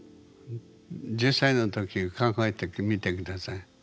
１０歳の時考えてみて下さい。